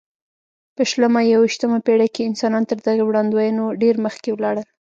په شلمه او یویشتمه پېړۍ کې انسانان تر دغې وړاندوینو ډېر مخکې ولاړل.